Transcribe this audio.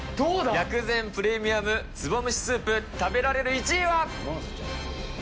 薬膳プレミアム壺蒸しスープ、食べられる１位は。